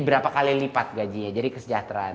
berapa kali lipat gajinya jadi kesejahteraan